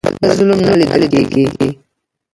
دلته ظلم نه لیده کیږي.